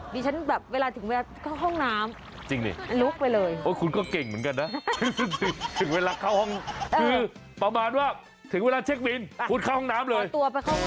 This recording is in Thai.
ดิฉันแบบเวลาถึงเวลาเข้าห้องน้ำ